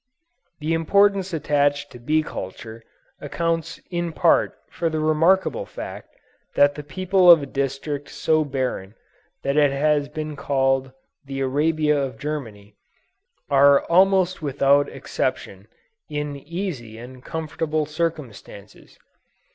The importance attached to bee culture accounts in part for the remarkable fact that the people of a district so barren that it has been called "the Arabia of Germany," are almost without exception in easy and comfortable circumstances.